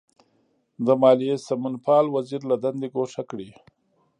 د مالیې سمونپال وزیر له دندې ګوښه کړي.